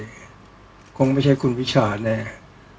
ก็ต้องทำอย่างที่บอกว่าช่องคุณวิชากำลังทำอยู่นั่นนะครับ